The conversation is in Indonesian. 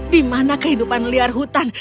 di mana kehidupan liar hutan